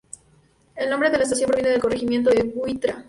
El nombre de la estación proviene del corregimiento de La Buitrera.